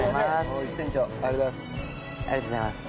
船長ありがとうございます。